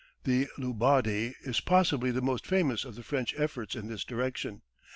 The Lebaudy is possibly the most famous of the French efforts in this direction.